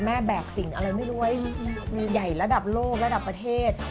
แบกสิ่งอะไรไม่รู้ไว้ใหญ่ระดับโลกระดับประเทศ